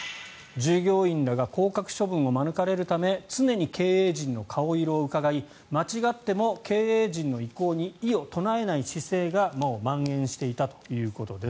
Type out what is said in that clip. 従業員らが降格処分を免れるため常に経営陣の顔色をうかがい間違っても経営陣の意向に異を唱えない姿勢がもうまん延していたということです。